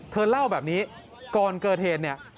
เธอเล่าแบบนี้ก่อนเกิดเหตุเนี่ย